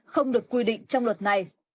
không được quy định trong luật này